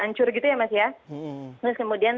hancur gitu ya mas ya terus kemudian